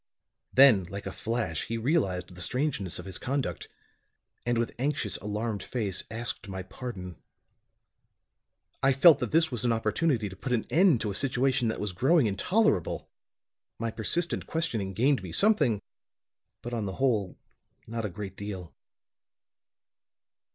"Then like a flash he realized the strangeness of his conduct, and with anxious, alarmed face, asked my pardon. I felt that this was an opportunity to put an end to a situation that was growing intolerable. My persistent questioning gained me something, but, on the whole, not a great deal.